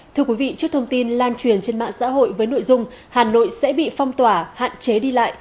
thưa quý vị trước thông tin lan truyền trên mạng xã hội với nội dung hà nội sẽ bị phong tỏa hạn chế đi lại